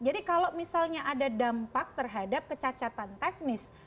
jadi kalau misalnya ada dampak terhadap kecacatan teknis itu juga